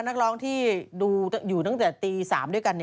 นักร้องที่ดูอยู่ตั้งแต่ตี๓ด้วยกัน